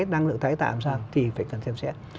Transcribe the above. năng lượng thái tạo làm sao thì phải cần xem xét